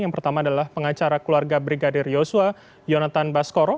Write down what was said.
yang pertama adalah pengacara keluarga brigadir yosua yonatan baskoro